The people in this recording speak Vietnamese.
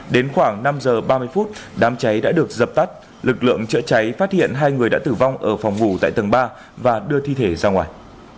đến khoảng năm giờ ba mươi phút đám cháy đã được dập tắt lực lượng chữa cháy phát hiện hai người đã tử vong ở phòng ngủ tại tầng ba và đưa thi thể ra ngoài